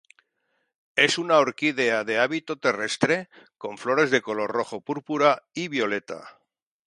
Es una orquídea de hábito terrestre con flores de color rojo púrpura y violeta.